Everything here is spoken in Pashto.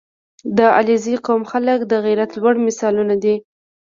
• د علیزي قوم خلک د غیرت لوړ مثالونه لري.